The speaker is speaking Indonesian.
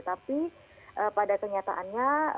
tapi pada kenyataannya